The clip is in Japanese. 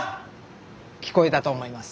聞こえたと思います。